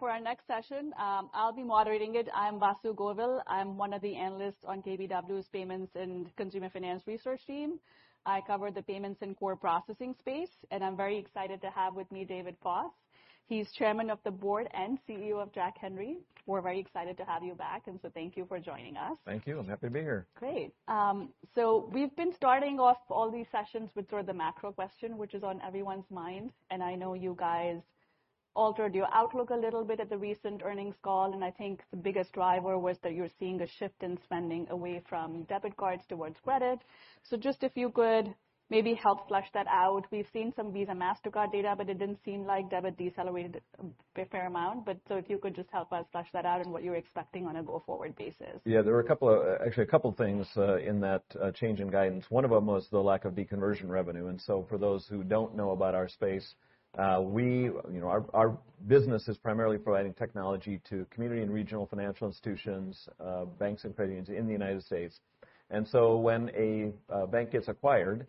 For our next session, I'll be moderating it. I'm Vasu Govil. I'm one of the analysts on KBW's Payments and Consumer Finance Research team. I cover the payments and core processing space, and I'm very excited to have with me David Foss. He's Chairman of the Board and CEO of Jack Henry. We're very excited to have you back, and so thank you for joining us. Thank you. I'm happy to be here. Great. So we've been starting off all these sessions with sort of the macro question, which is on everyone's mind. And I know you guys altered your outlook a little bit at the recent earnings call, and I think the biggest driver was that you're seeing a shift in spending away from debit cards towards credit. So just if you could maybe help flesh that out. We've seen some Visa, Mastercard data, but it didn't seem like debit decelerated a fair amount. But so if you could just help us flesh that out and what you're expecting on a go-forward basis. Yeah. There were a couple of, actually a couple of things, in that change in guidance. One of them was the lack of deconversion revenue. And so for those who don't know about our space, we, you know, our, our business is primarily providing technology to community and regional financial institutions, banks and credit unions in the United States. And so when a bank gets acquired,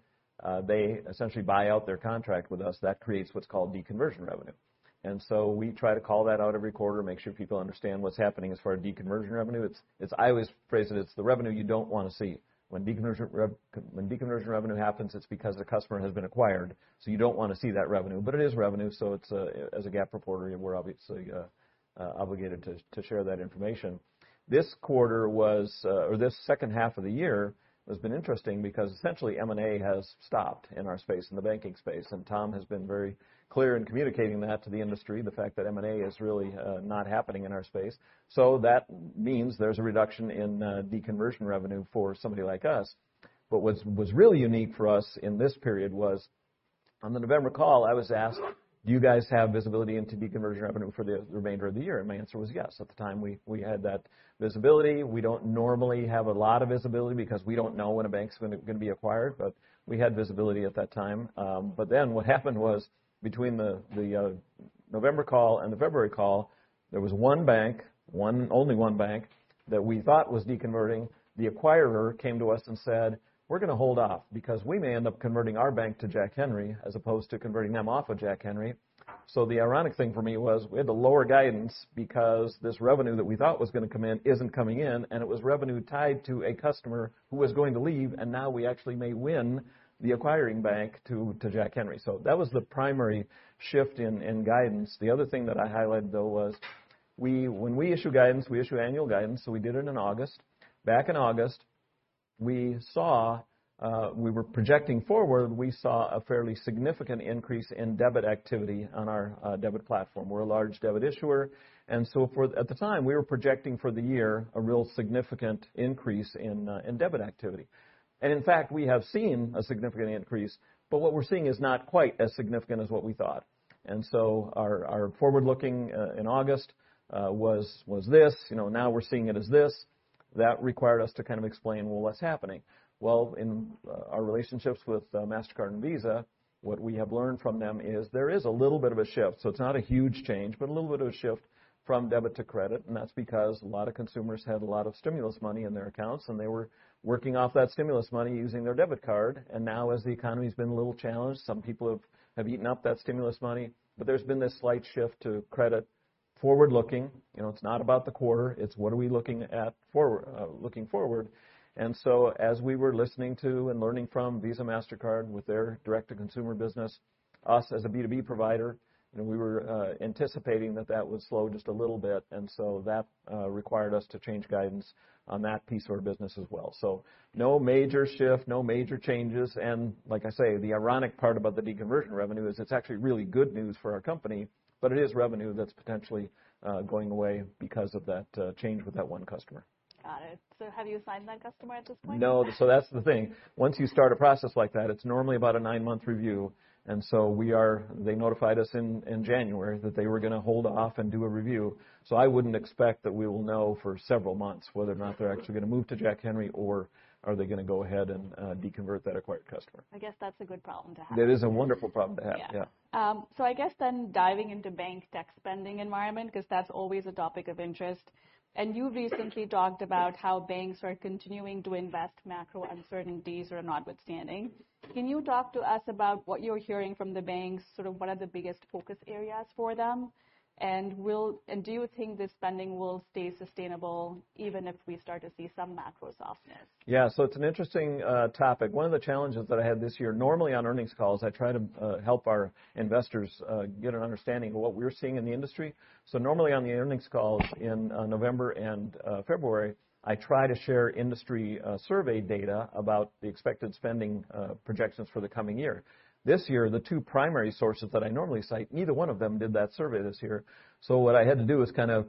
they essentially buy out their contract with us. That creates what's called deconversion revenue. And so we try to call that out every quarter, make sure people understand what's happening as far as deconversion revenue. It's, it's. I always phrase it, it's the revenue you don't wanna see. When deconversion revenue, when deconversion revenue happens, it's because a customer has been acquired. So you don't wanna see that revenue, but it is revenue. So it's, as a GAAP reporter, you were obviously obligated to share that information. This quarter was, or this second half of the year has been interesting because essentially M&A has stopped in our space, in the banking space. And Tom has been very clear in communicating that to the industry, the fact that M&A is really not happening in our space. So that means there's a reduction in deconversion revenue for somebody like us. But what's really unique for us in this period was on the November call, I was asked, "Do you guys have visibility into deconversion revenue for the remainder of the year?" And my answer was yes. At the time, we had that visibility. We don't normally have a lot of visibility because we don't know when a bank's gonna be acquired, but we had visibility at that time. But then what happened was between the November call and the February call, there was one bank, only one bank that we thought was deconverting. The acquirer came to us and said, "We're gonna hold off because we may end up converting our bank to Jack Henry as opposed to converting them off of Jack Henry." So the ironic thing for me was we had the lower guidance because this revenue that we thought was gonna come in isn't coming in, and it was revenue tied to a customer who was going to leave, and now we actually may win the acquiring bank to Jack Henry. So that was the primary shift in guidance. The other thing that I highlighted, though, was when we issue guidance, we issue annual guidance. So we did it in August. Back in August, we saw, we were projecting forward, we saw a fairly significant increase in debit activity on our debit platform. We're a large debit issuer. And so for at the time, we were projecting for the year a real significant increase in debit activity. And in fact, we have seen a significant increase, but what we're seeing is not quite as significant as what we thought. And so our forward-looking in August was this. You know, now we're seeing it as this. That required us to kind of explain, "Well, what's happening?" Well, our relationships with Mastercard and Visa, what we have learned from them is there is a little bit of a shift. So it's not a huge change, but a little bit of a shift from debit to credit. That's because a lot of consumers had a lot of stimulus money in their accounts, and they were working off that stimulus money using their debit card. Now, as the economy's been a little challenged, some people have eaten up that stimulus money, but there's been this slight shift to credit forward-looking. You know, it's not about the quarter. It's, "What are we looking at forward, looking forward?" So as we were listening to and learning from Visa, Mastercard with their direct-to-consumer business, us as a B2B provider, you know, we were anticipating that would slow just a little bit. So that required us to change guidance on that piece of our business as well. No major shift, no major changes. And, like I say, the ironic part about the deconversion revenue is it's actually really good news for our company, but it is revenue that's potentially going away because of that change with that one customer. Got it. So have you assigned that customer at this point? No. So that's the thing. Once you start a process like that, it's normally about a nine-month review. And so we are, they notified us in January that they were gonna hold off and do a review. So I wouldn't expect that we will know for several months whether or not they're actually gonna move to Jack Henry or are they gonna go ahead and deconvert that acquired customer. I guess that's a good problem to have. It is a wonderful problem to have. Yeah. Yeah. So I guess then diving into bank tech spending environment, 'cause that's always a topic of interest, and you've recently talked about how banks are continuing to invest macro uncertainties or notwithstanding. Can you talk to us about what you're hearing from the banks, sort of what are the biggest focus areas for them? And will, and do you think this spending will stay sustainable even if we start to see some macro softness? Yeah. So it's an interesting topic. One of the challenges that I had this year, normally on earnings calls, I try to help our investors get an understanding of what we're seeing in the industry. So normally on the earnings calls in November and February, I try to share industry survey data about the expected spending projections for the coming year. This year, the two primary sources that I normally cite, neither one of them did that survey this year. So what I had to do is kind of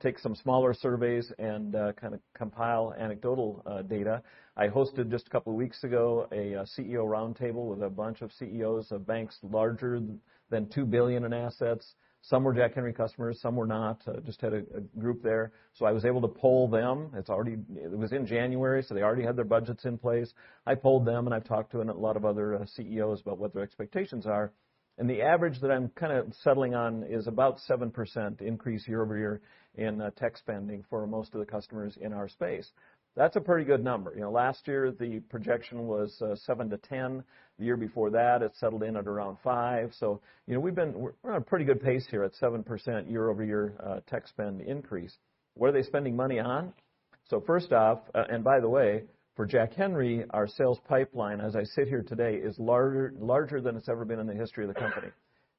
take some smaller surveys and kind of compile anecdotal data. I hosted just a couple of weeks ago a CEO roundtable with a bunch of CEOs of banks larger than $2 billion in assets. Some were Jack Henry customers, some were not. Just had a group there. So I was able to poll them. It's already. It was in January, so they already had their budgets in place. I polled them, and I've talked to a lot of other CEOs about what their expectations are. And the average that I'm kind of settling on is about 7% increase year-over-year in tech spending for most of the customers in our space. That's a pretty good number. You know, last year the projection was 7% to 10%. The year before that, it settled in at around 5%. So, you know, we've been. We're on a pretty good pace here at 7% year-over-year tech spend increase. What are they spending money on? So first off, and by the way, for Jack Henry, our sales pipeline, as I sit here today, is larger than it's ever been in the history of the company.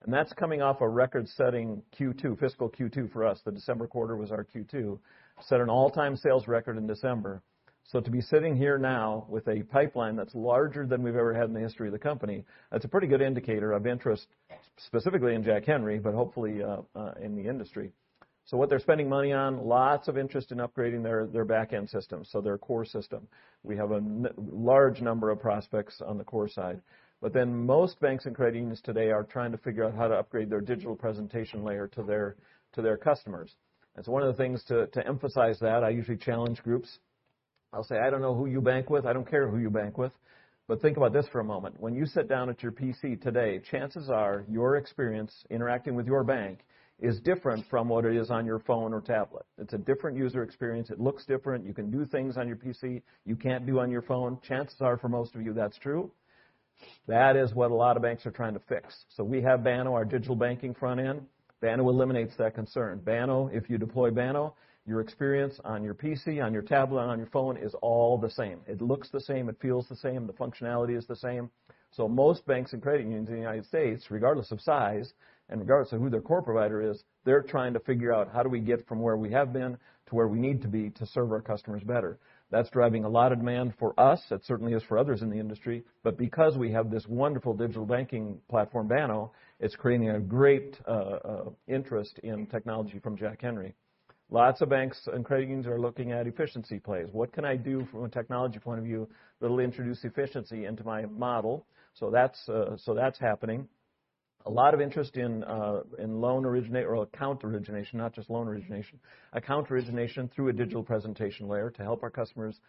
That's coming off a record-setting Q2, fiscal Q2 for us. The December quarter was our Q2, set an all-time sales record in December. So to be sitting here now with a pipeline that's larger than we've ever had in the history of the company, that's a pretty good indicator of interest, specifically in Jack Henry, but hopefully, in the industry. So what they're spending money on, lots of interest in upgrading their, their backend systems, so their core system. We have a large number of prospects on the core side. But then most banks and credit unions today are trying to figure out how to upgrade their digital presentation layer to their, to their customers. And so one of the things to, to emphasize that, I usually challenge groups. I'll say, "I don't know who you bank with. I don't care who you bank with. But think about this for a moment. When you sit down at your PC today, chances are your experience interacting with your bank is different from what it is on your phone or tablet. It's a different user experience. It looks different. You can do things on your PC you can't do on your phone. Chances are for most of you that's true. That is what a lot of banks are trying to fix. We have Banno, our digital banking front end. Banno eliminates that concern. Banno, if you deploy Banno, your experience on your PC, on your tablet, on your phone is all the same. It looks the same. It feels the same. The functionality is the same. Most banks and credit unions in the United States, regardless of size and regardless of who their core provider is, are trying to figure out how do we get from where we have been to where we need to be to serve our customers better. That's driving a lot of demand for us. It certainly is for others in the industry. But because we have this wonderful digital banking platform, Banno, it's creating great interest in technology from Jack Henry. Lots of banks and credit unions are looking at efficiency plays. What can I do from a technology point of view that'll introduce efficiency into my model? So that's happening. A lot of interest in loan origin or account origination, not just loan origination, account origination through a digital presentation layer to help our customers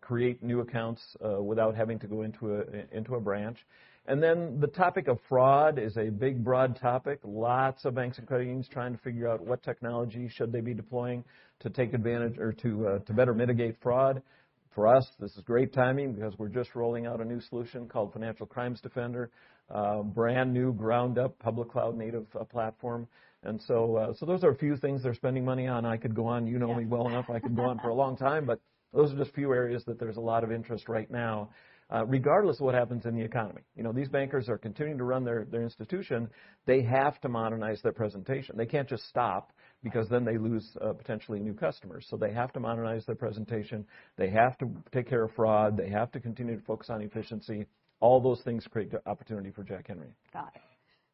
create new accounts without having to go into a branch. And then the topic of fraud is a big, broad topic. Lots of banks and credit unions trying to figure out what technology should they be deploying to take advantage or to better mitigate fraud. For us, this is great timing because we're just rolling out a new solution called Financial Crimes Defender, brand new ground-up public cloud native platform. And so those are a few things they're spending money on. I could go on. You know me well enough. I could go on for a long time, but those are just a few areas that there's a lot of interest right now, regardless of what happens in the economy. You know, these bankers are continuing to run their, their institution. They have to modernize their presentation. They can't just stop because then they lose, potentially new customers. So they have to modernize their presentation. They have to take care of fraud. They have to continue to focus on efficiency. All those things create opportunity for Jack Henry. Got it.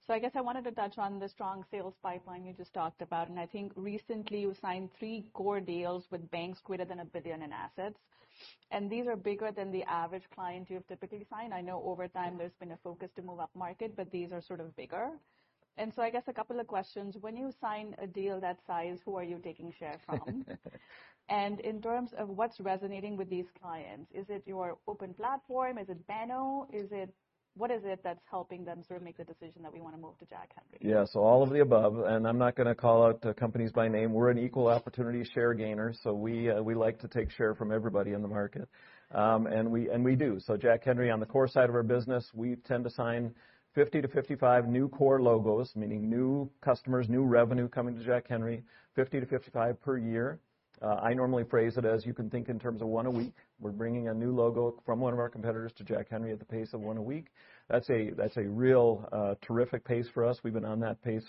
So I guess I wanted to touch on the strong sales pipeline you just talked about. And I think recently you signed three core deals with banks greater than $1 billion in assets. And these are bigger than the average client you've typically signed. I know over time there's been a focus to move up market, but these are sort of bigger. And so I guess a couple of questions. When you sign a deal that size, who are you taking share from? And in terms of what's resonating with these clients, is it your open platform? Is it Banno? Is it, what is it that's helping them sort of make the decision that, "We wanna move to Jack Henry? Yeah. So all of the above. I'm not gonna call out companies by name. We're an equal opportunity share gainer. We like to take share from everybody in the market, and we do. Jack Henry, on the core side of our business, we tend to sign 50 to 55 new core logos, meaning new customers, new revenue coming to Jack Henry, 50 to 55 per year. I normally phrase it as you can think in terms of one a week. We're bringing a new logo from one of our competitors to Jack Henry at the pace of one a week. That's a real terrific pace for us. We've been on that pace.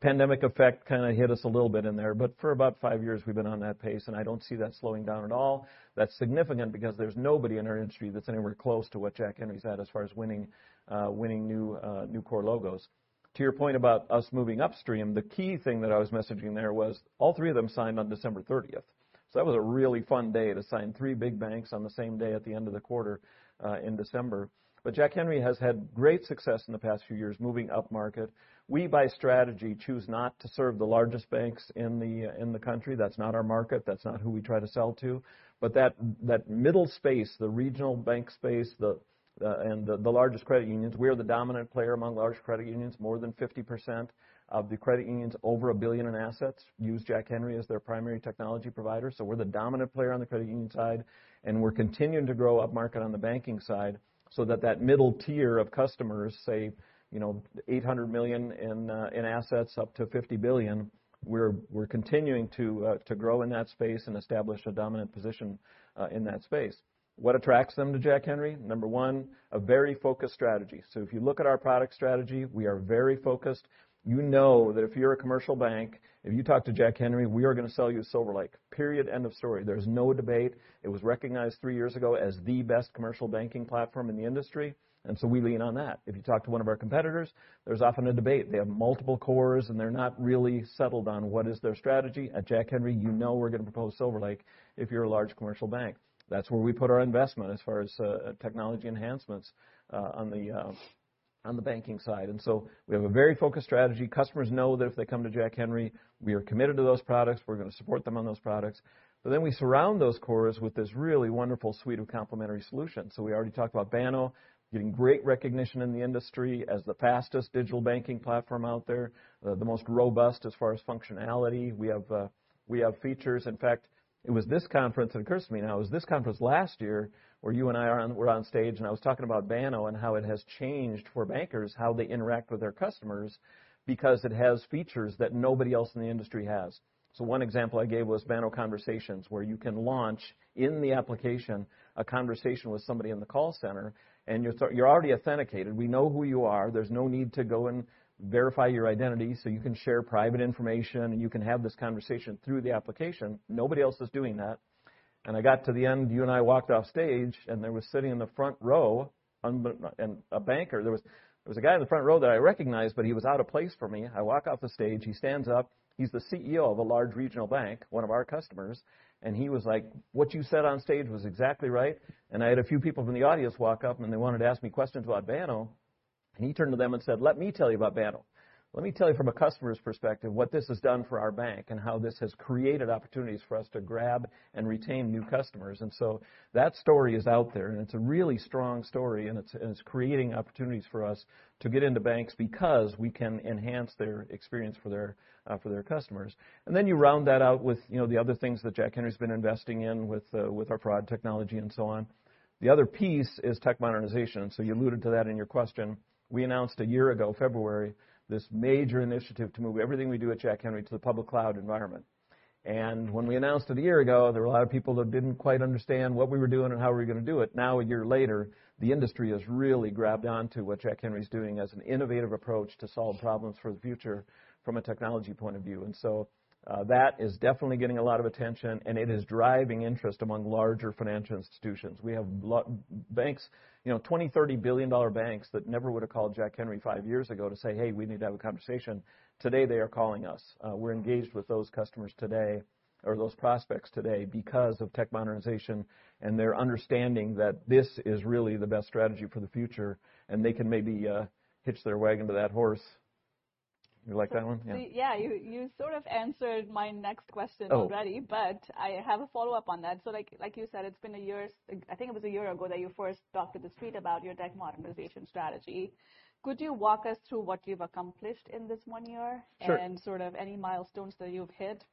Pandemic effect kinda hit us a little bit in there, but for about five years we've been on that pace, and I don't see that slowing down at all. That's significant because there's nobody in our industry that's anywhere close to what Jack Henry's had as far as winning new core logos. To your point about us moving upstream, the key thing that I was messaging there was all three of them signed on December 30th. So that was a really fun day to sign three big banks on the same day at the end of the quarter, in December. But Jack Henry has had great success in the past few years moving up market. We, by strategy, choose not to serve the largest banks in the country. That's not our market. That's not who we try to sell to. But that middle space, the regional bank space, and the largest credit unions, we're the dominant player among large credit unions. More than 50% of the credit unions over a billion in assets use Jack Henry as their primary technology provider, so we're the dominant player on the credit union side, and we're continuing to grow up market on the banking side so that middle tier of customers, say, you know, 800 million in assets up to 50 billion, we're continuing to grow in that space and establish a dominant position in that space. What attracts them to Jack Henry? Number one, a very focused strategy, so if you look at our product strategy, we are very focused. You know that if you're a commercial bank, if you talk to Jack Henry, we are gonna sell you SilverLake. Period. End of story. There's no debate. It was recognized three years ago as the best commercial banking platform in the industry, and so we lean on that. If you talk to one of our competitors, there's often a debate. They have multiple cores, and they're not really settled on what is their strategy. At Jack Henry, you know we're gonna propose SilverLake if you're a large commercial bank. That's where we put our investment as far as technology enhancements on the banking side. And so we have a very focused strategy. Customers know that if they come to Jack Henry, we are committed to those products. We're gonna support them on those products. But then we surround those cores with this really wonderful suite of complementary solutions. So we already talked about Banno getting great recognition in the industry as the fastest digital banking platform out there, the most robust as far as functionality. We have features. In fact, it was this conference. It occurs to me now, it was this conference last year where you and I are on, were on stage, and I was talking about Banno and how it has changed for bankers, how they interact with their customers because it has features that nobody else in the industry has. So one example I gave was Banno Conversations, where you can launch in the application a conversation with somebody in the call center, and you're already authenticated. We know who you are. There's no need to go and verify your identity. So you can share private information, and you can have this conversation through the application. Nobody else is doing that. And I got to the end, you and I walked off stage, and there was a guy sitting in the front row that I recognized, but he was out of place for me. I walk off the stage. He stands up. He's the CEO of a large regional bank, one of our customers. And he was like, "What you said on stage was exactly right." And I had a few people from the audience walk up, and they wanted to ask me questions about Banno. And he turned to them and said, "Let me tell you about Banno. Let me tell you from a customer's perspective what this has done for our bank and how this has created opportunities for us to grab and retain new customers." And so that story is out there, and it's a really strong story, and it's creating opportunities for us to get into banks because we can enhance their experience for their customers. And then you round that out with, you know, the other things that Jack Henry's been investing in with our fraud technology and so on. The other piece is tech modernization. So you alluded to that in your question. We announced a year ago, February, this major initiative to move everything we do at Jack Henry to the public cloud environment. And when we announced it a year ago, there were a lot of people that didn't quite understand what we were doing and how we were gonna do it. Now, a year later, the industry has really grabbed onto what Jack Henry's doing as an innovative approach to solve problems for the future from a technology point of view. And so, that is definitely getting a lot of attention, and it is driving interest among larger financial institutions. We have large banks, you know, $20 billion, $30 billion banks that never would've called Jack Henry five years ago to say, "Hey, we need to have a conversation." Today, they are calling us. We're engaged with those customers today or those prospects today because of tech modernization and their understanding that this is really the best strategy for the future, and they can maybe hitch their wagon to that horse. You like that one? Yeah. Yeah. You sort of answered my next question already, but I have a follow-up on that. So, like you said, it's been a year since I think it was a year ago that you first talked to the street about your tech modernization strategy. Could you walk us through what you've accomplished in this one year and. Sure. Sort of any milestones that you've hit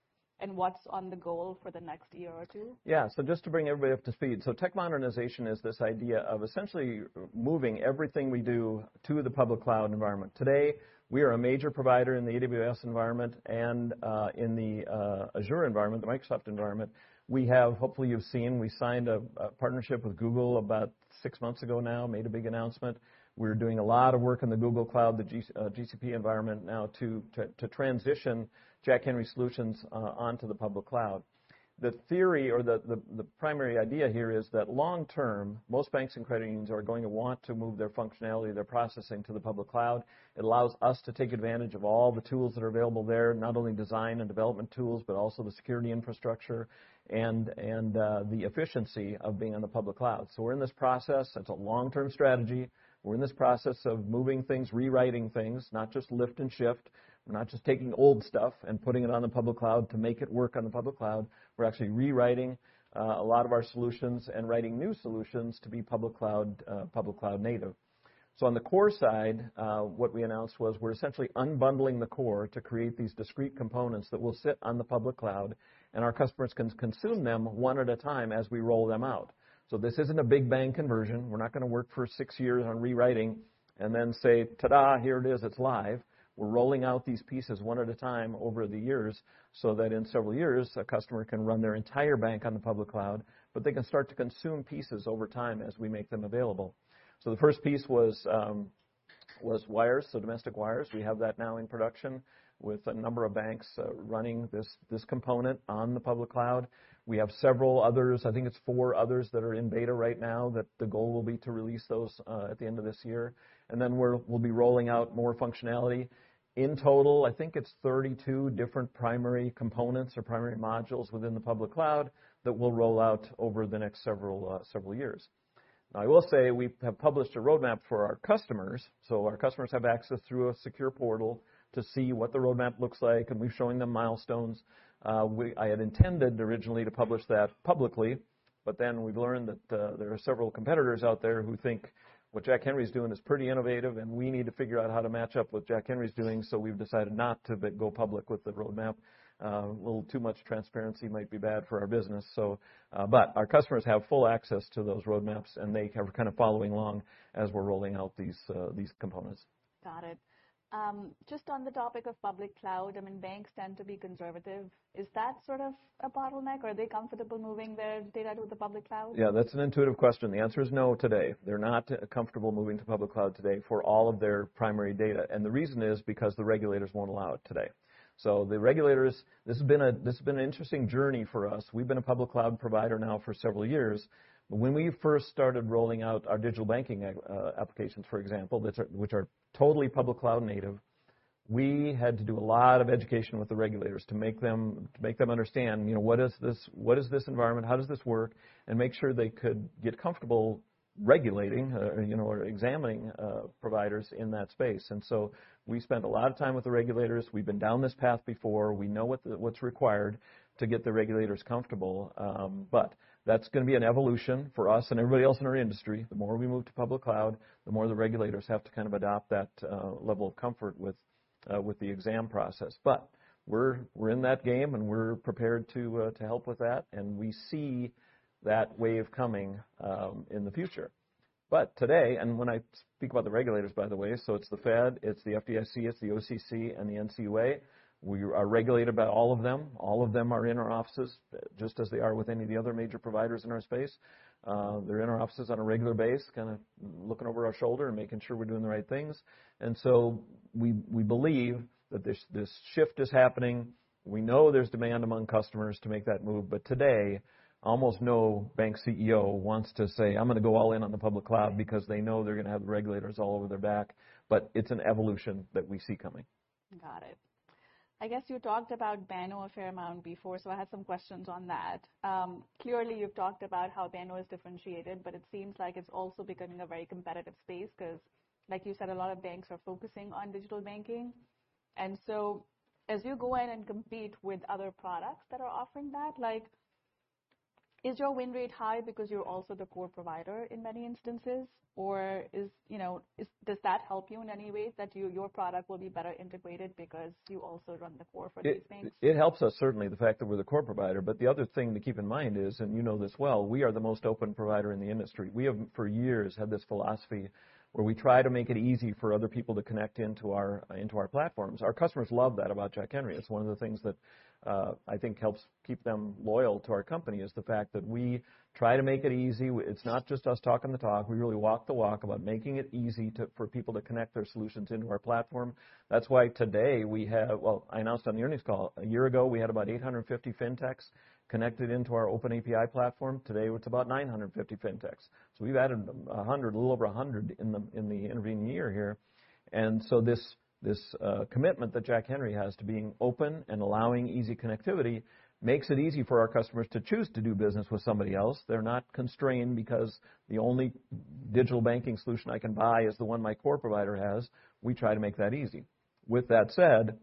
and what's on the goal for the next year or two? Yeah. So just to bring everybody up to speed, so tech modernization is this idea of essentially moving everything we do to the public cloud environment. Today, we are a major provider in the AWS environment and in the Azure environment, the Microsoft environment. We have, hopefully you've seen, we signed a partnership with Google about six months ago now, made a big announcement. We're doing a lot of work in the Google Cloud, the GCP environment now to transition Jack Henry solutions onto the public cloud. The theory or the primary idea here is that long-term, most banks and credit unions are going to want to move their functionality, their processing to the public cloud. It allows us to take advantage of all the tools that are available there, not only design and development tools, but also the security infrastructure and the efficiency of being on the public cloud. So we're in this process. It's a long-term strategy. We're in this process of moving things, rewriting things, not just lift and shift, not just taking old stuff and putting it on the public cloud to make it work on the public cloud. We're actually rewriting a lot of our solutions and writing new solutions to be public cloud native. So on the core side, what we announced was we're essentially unbundling the core to create these discrete components that will sit on the public cloud, and our customers can consume them one at a time as we roll them out. So this isn't a big bang conversion. We're not gonna work for six years on rewriting and then say, "Ta-da! Here it is. It's live." We're rolling out these pieces one at a time over the years so that in several years, a customer can run their entire bank on the public cloud, but they can start to consume pieces over time as we make them available. So the first piece was wires, so domestic wires. We have that now in production with a number of banks, running this component on the public cloud. We have several others. I think it's four others that are in beta right now that the goal will be to release those at the end of this year. And then we'll be rolling out more functionality. In total, I think it's 32 different primary components or primary modules within the public cloud that we'll roll out over the next several years. Now, I will say we have published a roadmap for our customers. So our customers have access through a secure portal to see what the roadmap looks like, and we've shown them milestones. I had intended originally to publish that publicly, but then we've learned that there are several competitors out there who think what Jack Henry's doing is pretty innovative, and we need to figure out how to match up what Jack Henry's doing. So we've decided not to go public with the roadmap. A little too much transparency might be bad for our business. So, but our customers have full access to those roadmaps, and they are kinda following along as we're rolling out these components. Got it. Just on the topic of public cloud, I mean, banks tend to be conservative. Is that sort of a bottleneck, or are they comfortable moving their data to the public cloud? Yeah. That's an intuitive question. The answer is no today. They're not comfortable moving to public cloud today for all of their primary data. And the reason is because the regulators won't allow it today. So the regulators, this has been an interesting journey for us. We've been a public cloud provider now for several years. When we first started rolling out our digital banking applications, for example, which are totally public cloud native, we had to do a lot of education with the regulators to make them understand, you know, what is this environment, how does this work, and make sure they could get comfortable regulating, you know, or examining providers in that space. And so we spent a lot of time with the regulators. We've been down this path before. We know what's required to get the regulators comfortable, but that's gonna be an evolution for us and everybody else in our industry. The more we move to public cloud, the more the regulators have to kind of adopt that level of comfort with the exam process, but we're in that game, and we're prepared to help with that, and we see that wave coming in the future, but today, and when I speak about the regulators, by the way, so it's the Fed, it's the FDIC, it's the OCC, and the NCUA. We are regulated by all of them. All of them are in our offices, just as they are with any of the other major providers in our space. They're in our offices on a regular basis, kinda looking over our shoulder and making sure we're doing the right things. And so we believe that this shift is happening. We know there's demand among customers to make that move. But today, almost no bank CEO wants to say, "I'm gonna go all in on the public cloud," because they know they're gonna have the regulators all over their back. But it's an evolution that we see coming. Got it. I guess you talked about Banno a fair amount before, so I had some questions on that. Clearly, you've talked about how Banno is differentiated, but it seems like it's also becoming a very competitive space 'cause, like you said, a lot of banks are focusing on digital banking. And so as you go in and compete with other products that are offering that, like, is your win rate high because you're also the core provider in many instances, or is, you know, does that help you in any way that your, your product will be better integrated because you also run the core for these things? It helps us certainly, the fact that we're the core provider. But the other thing to keep in mind is, and you know this well, we are the most open provider in the industry. We have, for years, had this philosophy where we try to make it easy for other people to connect into our platforms. Our customers love that about Jack Henry. It's one of the things that, I think helps keep them loyal to our company is the fact that we try to make it easy. It's not just us talking the talk. We really walk the walk about making it easy to, for people to connect their solutions into our platform. That's why today we have, well, I announced on the earnings call, a year ago, we had about 850 fintechs connected into our open API platform. Today, it's about 950 fintechs. We've added a hundred, a little over a hundred in the intervening year here. This commitment that Jack Henry has to being open and allowing easy connectivity makes it easy for our customers to choose to do business with somebody else. They're not constrained because the only digital banking solution I can buy is the one my core provider has. We try to make that easy. With that said,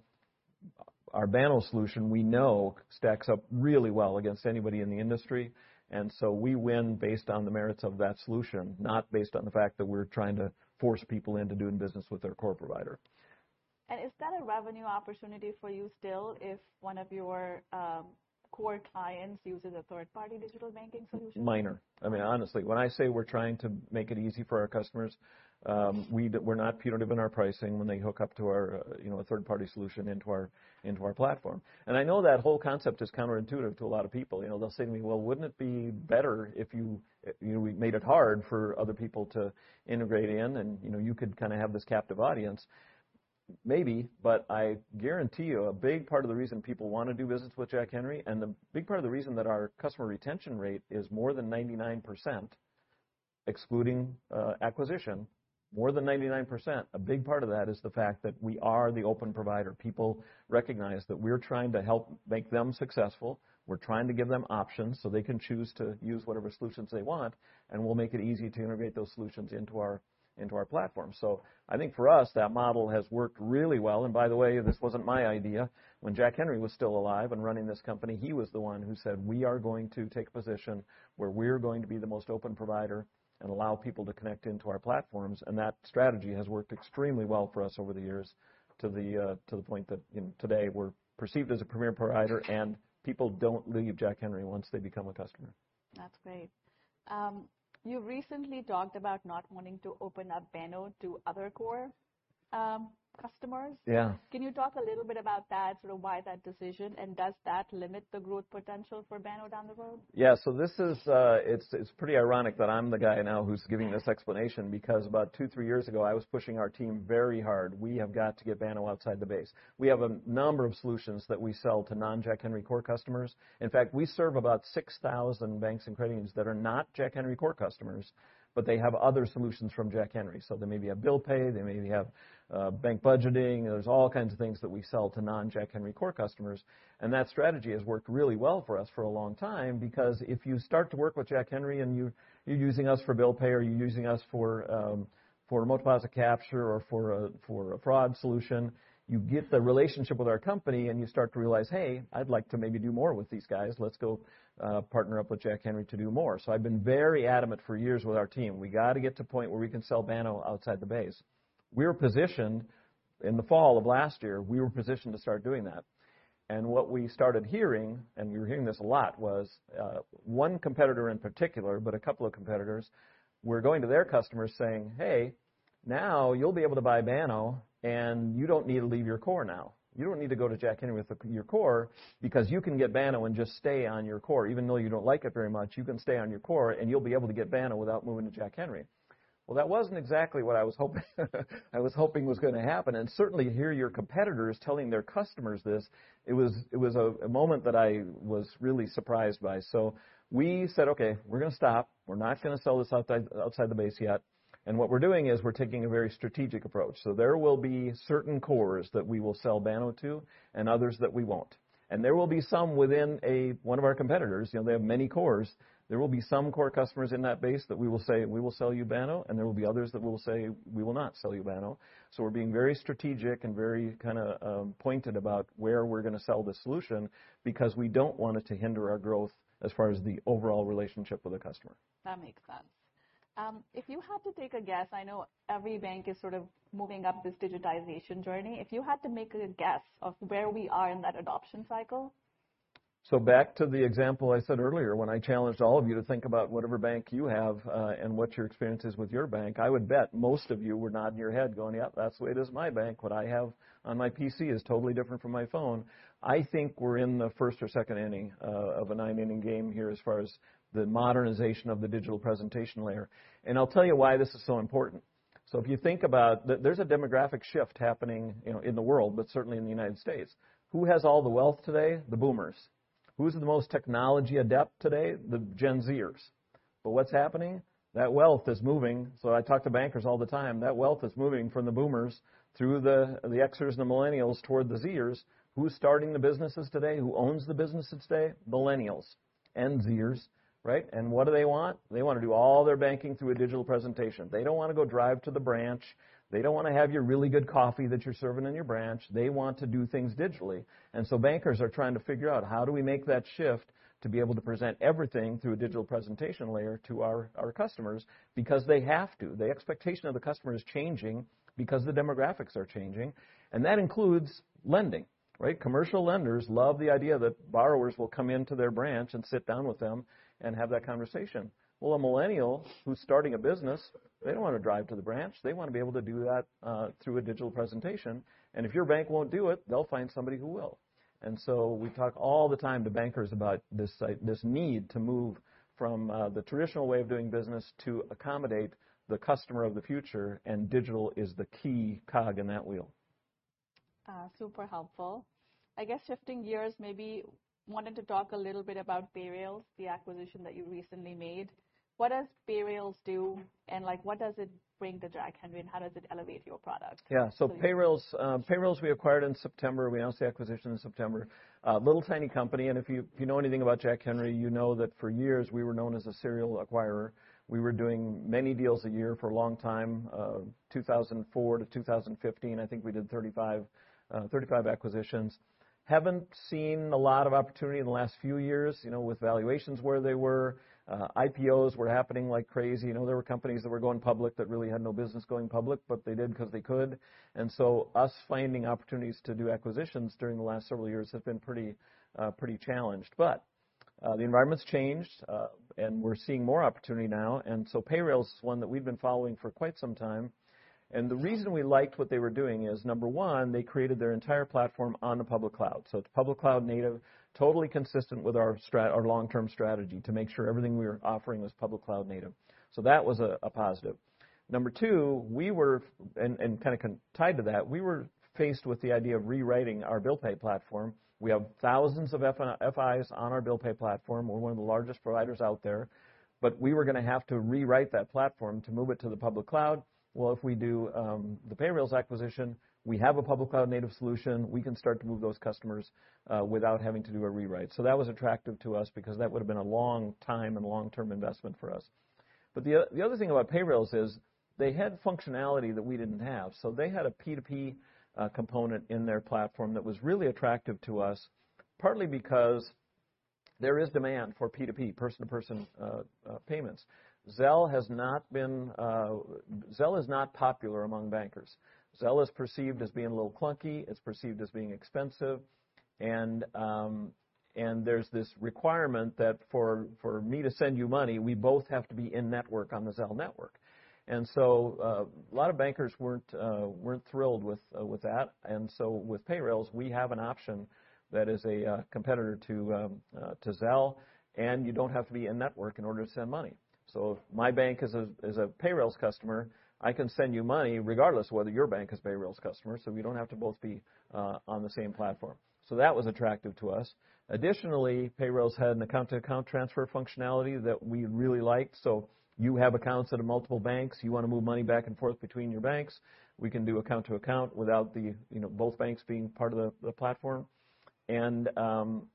our Banno solution, we know, stacks up really well against anybody in the industry. We win based on the merits of that solution, not based on the fact that we're trying to force people into doing business with their core provider. Is that a revenue opportunity for you still if one of your core clients uses a third-party digital banking solution? I mean, honestly, when I say we're trying to make it easy for our customers, we're not punitive in our pricing when they hook up to our, you know, a third-party solution into our platform. And I know that whole concept is counterintuitive to a lot of people. You know, they'll say to me, "Well, wouldn't it be better if you, you know, we made it hard for other people to integrate in and, you know, you could kinda have this captive audience?" Maybe, but I guarantee you a big part of the reason people wanna do business with Jack Henry, and the big part of the reason that our customer retention rate is more than 99%, excluding acquisitions, more than 99%, a big part of that is the fact that we are the open provider. People recognize that we're trying to help make them successful. We're trying to give them options so they can choose to use whatever solutions they want, and we'll make it easy to integrate those solutions into our platform. So I think for us, that model has worked really well. And by the way, this wasn't my idea. When Jack Henry was still alive and running this company, he was the one who said, "We are going to take a position where we're going to be the most open provider and allow people to connect into our platforms." And that strategy has worked extremely well for us over the years to the point that, you know, today we're perceived as a premier provider, and people don't leave Jack Henry once they become a customer. That's great. You recently talked about not wanting to open up Banno to other core customers. Yeah. Can you talk a little bit about that, sort of why that decision, and does that limit the growth potential for Banno down the road? Yeah. So this is, it's pretty ironic that I'm the guy now who's giving this explanation because about two, three years ago, I was pushing our team very hard. We have got to get Banno outside the base. We have a number of solutions that we sell to non-Jack Henry core customers. In fact, we serve about 6,000 banks and credit unions that are not Jack Henry core customers, but they have other solutions from Jack Henry. So they maybe have bill pay, they maybe have bank budgeting. There's all kinds of things that we sell to non-Jack Henry core customers. And that strategy has worked really well for us for a long time because if you start to work with Jack Henry and you, you're using us for bill pay or you're using us for, for remote deposit capture or for a, for a fraud solution, you get the relationship with our company and you start to realize, "Hey, I'd like to maybe do more with these guys. Let's go, partner up with Jack Henry to do more." So I've been very adamant for years with our team. We gotta get to a point where we can sell Banno outside the base. We were positioned in the fall of last year, we were positioned to start doing that. And what we started hearing, and we were hearing this a lot, was one competitor in particular, but a couple of competitors were going to their customers saying, "Hey, now you'll be able to buy Banno, and you don't need to leave your core now. You don't need to go to Jack Henry with your core because you can get Banno and just stay on your core. Even though you don't like it very much, you can stay on your core and you'll be able to get Banno without moving to Jack Henry." Well, that wasn't exactly what I was hoping was gonna happen. And certainly to hear your competitors telling their customers this, it was a moment that I was really surprised by. So we said, "Okay, we're gonna stop. We're not gonna sell this outside the base yet. What we're doing is we're taking a very strategic approach. There will be certain cores that we will sell Banno to and others that we won't. There will be some within one of our competitors, you know, they have many cores. There will be some core customers in that base that we will say, "We will sell you Banno," and there will be others that we will say, "We will not sell you Banno." We're being very strategic and very kinda pointed about where we're gonna sell the solution because we don't want it to hinder our growth as far as the overall relationship with the customer. That makes sense. If you had to take a guess, I know every bank is sort of moving up this digitization journey. If you had to make a guess of where we are in that adoption cycle. So back to the example I said earlier when I challenged all of you to think about whatever bank you have, and what your experience is with your bank, I would bet most of you were nodding your head going, "Yep, that's the way it is in my bank. What I have on my PC is totally different from my phone." I think we're in the first or second-inning of a nine-inning game here as far as the modernization of the digital presentation layer. And I'll tell you why this is so important. So if you think about that, there's a demographic shift happening, you know, in the world, but certainly in the United States. Who has all the wealth today? The boomers. Who's the most technology adept today? The Gen Zers. But what's happening? That wealth is moving. So I talk to bankers all the time. That wealth is moving from the boomers through the Xers and the millennials toward the Zers. Who's starting the businesses today? Who owns the businesses today? Millennials and Zers, right? And what do they want? They wanna do all their banking through a digital presentation. They don't wanna go drive to the branch. They don't wanna have your really good coffee that you're serving in your branch. They want to do things digitally. And so bankers are trying to figure out how do we make that shift to be able to present everything through a digital presentation layer to our customers because they have to. The expectation of the customer is changing because the demographics are changing. And that includes lending, right? Commercial lenders love the idea that borrowers will come into their branch and sit down with them and have that conversation. Well, a millennial who's starting a business, they don't wanna drive to the branch. They wanna be able to do that through a digital application. And if your bank won't do it, they'll find somebody who will. And so we talk all the time to bankers about this shift, this need to move from the traditional way of doing business to accommodate the customer of the future. And digital is the key cog in that wheel. Super helpful. I guess shifting gears, maybe wanted to talk a little bit about Payrailz, the acquisition that you recently made. What does Payrailz do and, like, what does it bring to Jack Henry and how does it elevate your product? Yeah. So Payrailz, Payrailz we acquired in September. We announced the acquisition in September, little tiny company, and if you know anything about Jack Henry, you know that for years we were known as a serial acquirer. We were doing many deals a year for a long time, 2004 to 2015. I think we did 35 acquisitions. Haven't seen a lot of opportunity in the last few years, you know, with valuations where they were. IPOs were happening like crazy. You know, there were companies that were going public that really had no business going public, but they did 'cause they could, and so us finding opportunities to do acquisitions during the last several years has been pretty challenged, but the environment's changed, and we're seeing more opportunity now, and so Payrailz's one that we've been following for quite some time. The reason we liked what they were doing is, number one, they created their entire platform on the public cloud. So it's public cloud native, totally consistent with our long-term strategy to make sure everything we were offering was public cloud native. So that was a positive. Number two, we were, and kinda connected to that, we were faced with the idea of rewriting our bill pay platform. We have thousands of FI, FIs on our bill pay platform. We're one of the largest providers out there, but we were gonna have to rewrite that platform to move it to the public cloud. Well, if we do the Payrailz acquisition, we have a public cloud native solution. We can start to move those customers, without having to do a rewrite. That was attractive to us because that would've been a long time and long-term investment for us. But the other thing about Payrailz is they had functionality that we didn't have. So they had a P2P component in their platform that was really attractive to us, partly because there is demand for P2P, person-to-person, payments. Zelle has not been, Zelle is not popular among bankers. Zelle is perceived as being a little clunky. It's perceived as being expensive. And there's this requirement that for me to send you money, we both have to be in network on the Zelle network. And so a lot of bankers weren't thrilled with that. And so with Payrailz, we have an option that is a competitor to Zelle, and you don't have to be in network in order to send money. So if my bank is a Payrailz customer, I can send you money regardless of whether your bank is a Payrailz customer. So we don't have to both be on the same platform. So that was attractive to us. Additionally, Payrailz had an account-to-account transfer functionality that we really liked. So you have accounts at multiple banks. You wanna move money back and forth between your banks. We can do account-to-account without the you know both banks being part of the platform. And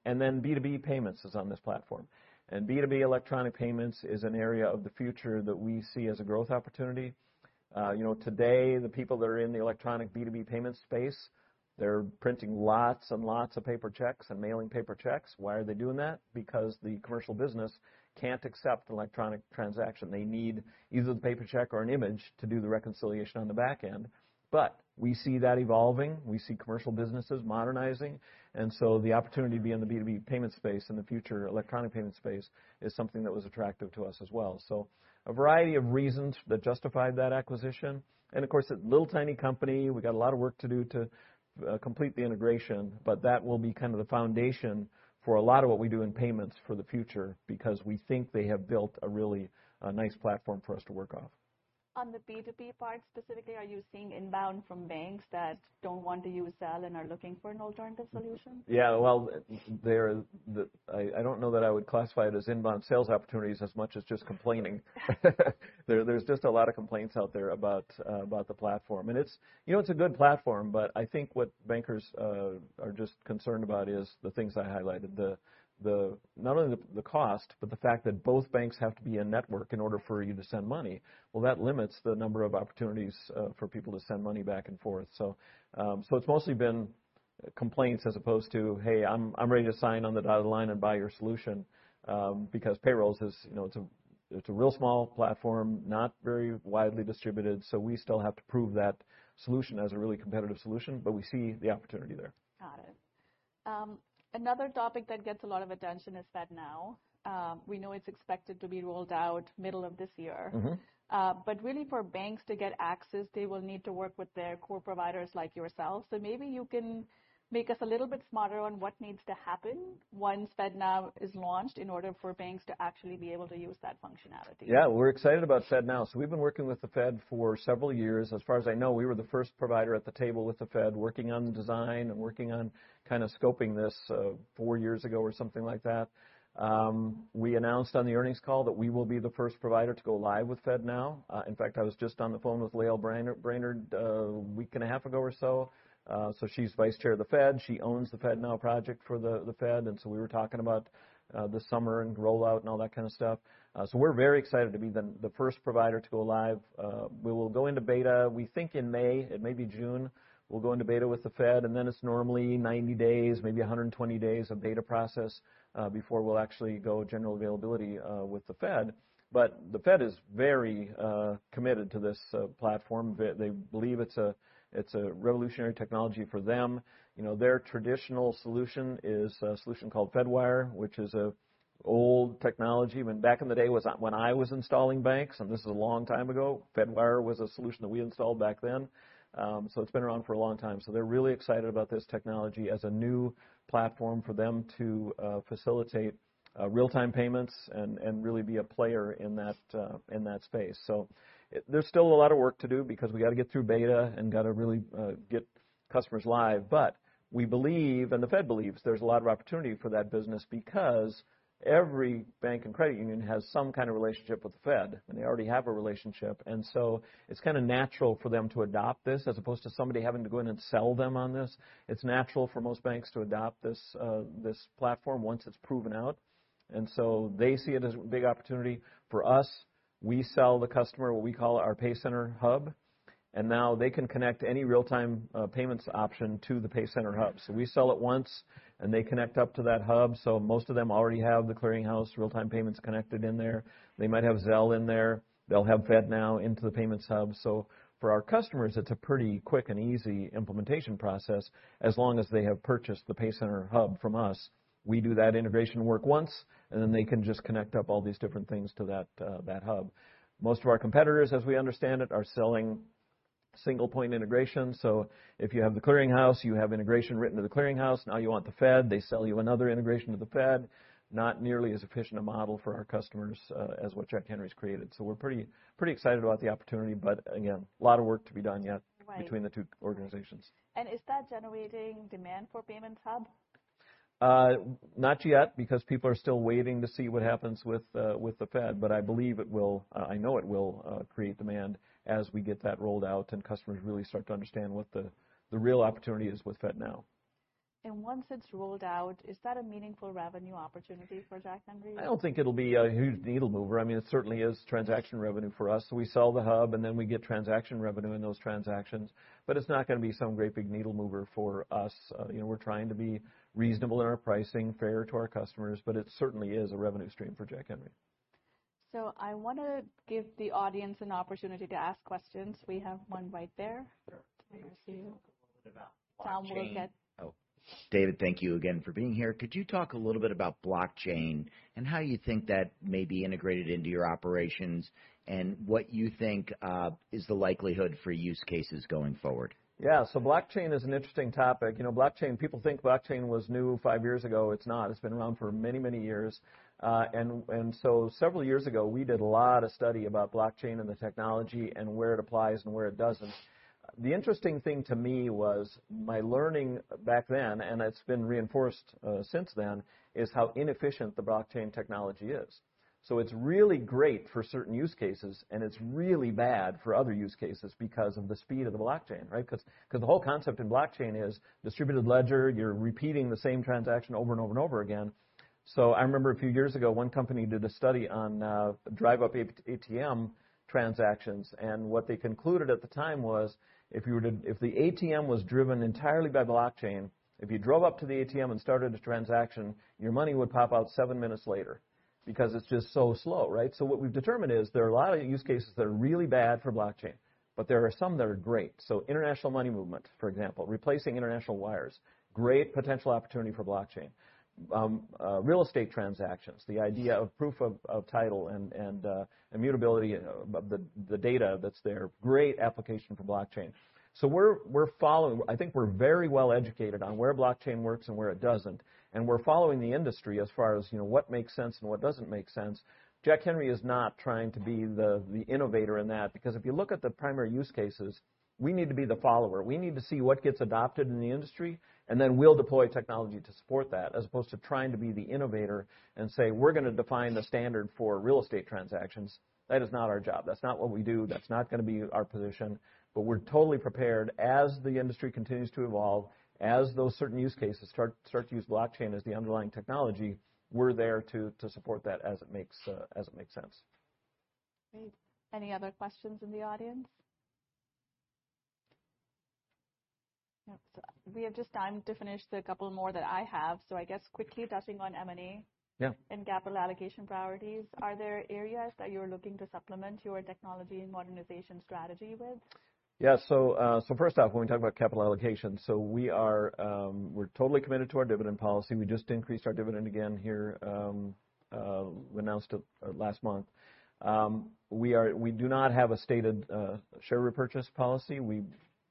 then B2B payments is on this platform. And B2B electronic payments is an area of the future that we see as a growth opportunity. You know, today the people that are in the electronic B2B payment space, they're printing lots and lots of paper checks and mailing paper checks. Why are they doing that? Because the commercial business can't accept electronic transaction. They need either the paper check or an image to do the reconciliation on the back end, but we see that evolving. We see commercial businesses modernizing, and so the opportunity to be in the B2B payment space and the future electronic payment space is something that was attractive to us as well, so a variety of reasons that justified that acquisition, and of course, it's a little tiny company. We got a lot of work to do to complete the integration, but that will be kind of the foundation for a lot of what we do in payments for the future because we think they have built a really nice platform for us to work off. On the B2B part specifically, are you seeing inbound from banks that don't want to use Zelle and are looking for an alternative solution? Yeah. Well, I don't know that I would classify it as inbound sales opportunities as much as just complaining. There's just a lot of complaints out there about the platform. And it's, you know, it's a good platform, but I think what bankers are just concerned about is the things I highlighted, the not only the cost, but the fact that both banks have to be in network in order for you to send money. Well, that limits the number of opportunities for people to send money back and forth. So it's mostly been complaints as opposed to, "Hey, I'm ready to sign on the dotted line and buy your solution," because Payrailz is, you know, it's a real small platform, not very widely distributed. So we still have to prove that solution as a really competitive solution, but we see the opportunity there. Got it. Another topic that gets a lot of attention is FedNow. We know it's expected to be rolled out middle of this year. Mm-hmm. But really for banks to get access, they will need to work with their core providers like yourself. So maybe you can make us a little bit smarter on what needs to happen once FedNow is launched in order for banks to actually be able to use that functionality. Yeah. We're excited about FedNow. We've been working with the Fed for several years. As far as I know, we were the first provider at the table with the Fed working on the design and working on kinda scoping this, four years ago or something like that. We announced on the earnings call that we will be the first provider to go live with FedNow. In fact, I was just on the phone with Lael Brainard a week and a half ago or so. She's Vice Chair of the Fed. She owns the FedNow project for the Fed. We were talking about the summer and rollout and all that kinda stuff. We're very excited to be the first provider to go live. We will go into beta. We think in May, it may be June, we'll go into beta with the Fed. And then it's normally 90 days, maybe 120 days of beta process, before we'll actually go general availability, with the Fed. But the Fed is very committed to this platform. They believe it's a revolutionary technology for them. You know, their traditional solution is a solution called Fedwire, which is an old technology. Way back in the day was when I was installing banks, and this is a long time ago, Fedwire was a solution that we installed back then. So it's been around for a long time. So they're really excited about this technology as a new platform for them to facilitate real-time payments and really be a player in that space. So there's still a lot of work to do because we gotta get through beta and gotta really get customers live. But we believe, and the Fed believes there's a lot of opportunity for that business because every bank and credit union has some kind of relationship with the Fed, and they already have a relationship. And so it's kinda natural for them to adopt this as opposed to somebody having to go in and sell them on this. It's natural for most banks to adopt this platform once it's proven out. And so they see it as a big opportunity for us. We sell the customer what we call our PayCenter hub, and now they can connect any real-time payments option to the PayCenter hub. So we sell it once, and they connect up to that hub. So most of them already have The Clearing House real-time payments connected in there. They might have Zelle in there. They'll have FedNow into the payments hub. So for our customers, it's a pretty quick and easy implementation process as long as they have purchased the PayCenter hub from us. We do that integration work once, and then they can just connect up all these different things to that, that hub. Most of our competitors, as we understand it, are selling single-point integration. So if you have The Clearing House, you have integration written to The Clearing House. Now you want the Fed. They sell you another integration to the Fed. Not nearly as efficient a model for our customers, as what Jack Henry's created. So we're pretty, pretty excited about the opportunity. But again, a lot of work to be done yet between the two organizations. Is that generating demand for payments hub? Not yet because people are still waiting to see what happens with the Fed. But I believe it will, I know it will, create demand as we get that rolled out and customers really start to understand what the real opportunity is with FedNow. Once it's rolled out, is that a meaningful revenue opportunity for Jack Henry? I don't think it'll be a huge needle mover. I mean, it certainly is transaction revenue for us. We sell the hub, and then we get transaction revenue in those transactions. But it's not gonna be some great big needle mover for us. You know, we're trying to be reasonable in our pricing, fair to our customers, but it certainly is a revenue stream for Jack Henry. So I wanna give the audience an opportunity to ask questions. We have one right there. Sure. Let me just see Tom a little bit. Oh, David, thank you again for being here. Could you talk a little bit about blockchain and how you think that may be integrated into your operations and what you think is the likelihood for use cases going forward? Yeah. So blockchain is an interesting topic. You know, blockchain, people think blockchain was new five years ago. It's not. It's been around for many, many years. And, and so several years ago, we did a lot of study about blockchain and the technology and where it applies and where it doesn't. The interesting thing to me was my learning back then, and it's been reinforced, since then, is how inefficient the blockchain technology is. So it's really great for certain use cases, and it's really bad for other use cases because of the speed of the blockchain, right? 'Cause, 'cause the whole concept in blockchain is distributed ledger. You're repeating the same transaction over and over and over again. So I remember a few years ago, one company did a study on, drive-up ATM transactions. What they concluded at the time was if the ATM was driven entirely by blockchain, if you drove up to the ATM and started a transaction, your money would pop out seven minutes later because it's just so slow, right? What we've determined is there are a lot of use cases that are really bad for blockchain, but there are some that are great. International money movement, for example, replacing international wires, great potential opportunity for blockchain. Real estate transactions, the idea of proof of title and immutability of the data that's there, great application for blockchain. We're following. I think we're very well educated on where blockchain works and where it doesn't. We're following the industry as far as, you know, what makes sense and what doesn't make sense. Jack Henry is not trying to be the innovator in that because if you look at the primary use cases, we need to be the follower. We need to see what gets adopted in the industry, and then we'll deploy technology to support that as opposed to trying to be the innovator and say, "We're gonna define the standard for real estate transactions." That is not our job. That's not what we do. That's not gonna be our position. But we're totally prepared as the industry continues to evolve, as those certain use cases start to use blockchain as the underlying technology, we're there to support that as it makes sense. Great. Any other questions in the audience? Yep. So we have just time to finish the couple more that I have. So I guess quickly touching on M&A. Yeah. Capital allocation priorities. Are there areas that you're looking to supplement your technology and modernization strategy with? Yeah. So first off, when we talk about capital allocation, we're totally committed to our dividend policy. We just increased our dividend again here. We announced it last month. We do not have a stated share repurchase policy. We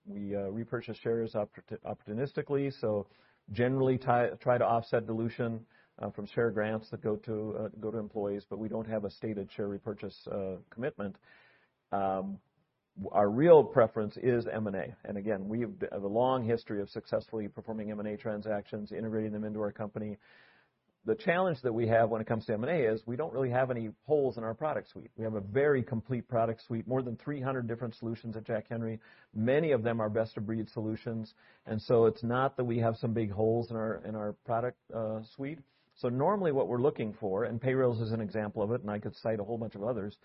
repurchase shares opportunistically. So generally try to offset dilution from share grants that go to employees. But we don't have a stated share repurchase commitment. Our real preference is M&A. Again, we have a long history of successfully performing M&A transactions, integrating them into our company. The challenge that we have when it comes to M&A is we don't really have any holes in our product suite. We have a very complete product suite, more than 300 different solutions at Jack Henry. Many of them are best-of-breed solutions. And so it's not that we have some big holes in our product suite. So normally what we're looking for, and Payrailz is an example of it, and I could cite a whole bunch of others,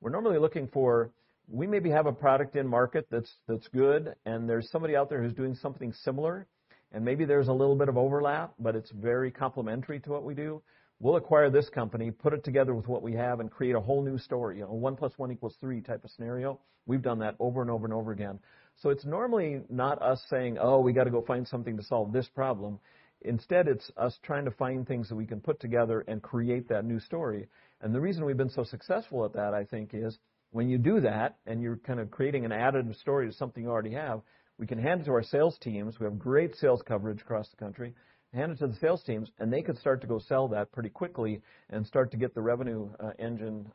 we're normally looking for, we maybe have a product in market that's good, and there's somebody out there who's doing something similar, and maybe there's a little bit of overlap, but it's very complementary to what we do. We'll acquire this company, put it together with what we have, and create a whole new story, you know, one plus one equals three type of scenario. We've done that over and over and over again. So it's normally not us saying, "Oh, we gotta go find something to solve this problem." Instead, it's us trying to find things that we can put together and create that new story. And the reason we've been so successful at that, I think, is when you do that and you're kinda creating an additive story to something you already have, we can hand it to our sales teams. We have great sales coverage across the country. Hand it to the sales teams, and they could start to go sell that pretty quickly and start to get the revenue engine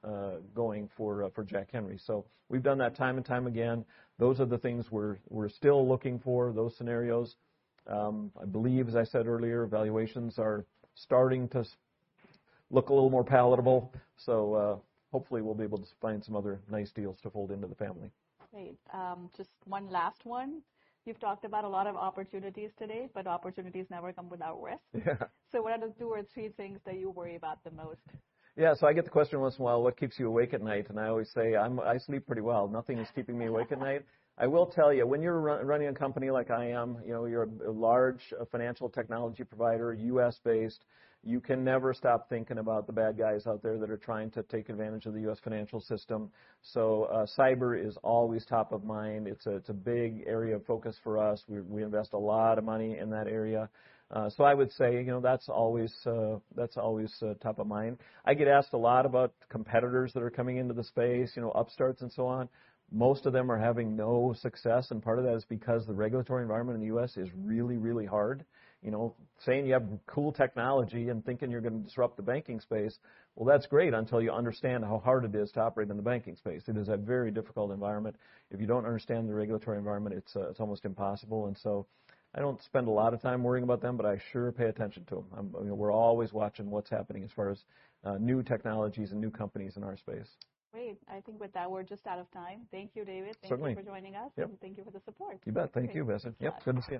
going for Jack Henry. So we've done that time and time again. Those are the things we're still looking for, those scenarios. I believe, as I said earlier, valuations are starting to look a little more palatable. So, hopefully we'll be able to find some other nice deals to fold into the family. Great. Just one last one. You've talked about a lot of opportunities today, but opportunities never come without risk. Yeah. So what are the two or three things that you worry about the most? Yeah. So I get the question once in a while, what keeps you awake at night? And I always say, "I sleep pretty well. Nothing's keeping me awake at night." I will tell you, when you're running a company like I am, you know, you're a large financial technology provider, U.S.-based, you can never stop thinking about the bad guys out there that are trying to take advantage of the U.S. financial system. So, cyber is always top of mind. It's a big area of focus for us. We invest a lot of money in that area. So I would say, you know, that's always top of mind. I get asked a lot about competitors that are coming into the space, you know, upstarts and so on. Most of them are having no success. Part of that is because the regulatory environment in the U.S. is really, really hard. You know, saying you have cool technology and thinking you're gonna disrupt the banking space, well, that's great until you understand how hard it is to operate in the banking space. It is a very difficult environment. If you don't understand the regulatory environment, it's almost impossible. And so I don't spend a lot of time worrying about them, but I sure pay attention to them. I'm, you know, we're always watching what's happening as far as, new technologies and new companies in our space. Great. I think with that, we're just out of time. Thank you, David. Certainly. Thank you for joining us. Yep. Thank you for the support. You bet. Thank you, Vasu. Yep. Good to see you.